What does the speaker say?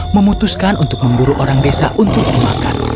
memutuskan untuk memburu orang desa untuk dimakan